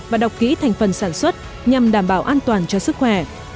và đọc kỹ thành phần sản xuất nhằm đảm bảo an toàn cho sức khỏe